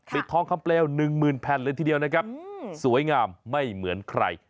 ทองคำเปลว๑๐๐แผ่นเลยทีเดียวนะครับสวยงามไม่เหมือนใคร